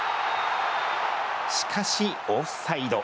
しかし、オフサイド。